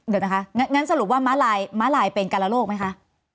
เดี๋ยวนะคะงั้นสรุปว่ามะลายเป็นการโรคไหมคะ